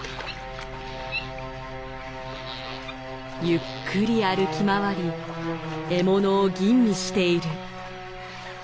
ゆっくり歩き回り獲物を吟味している。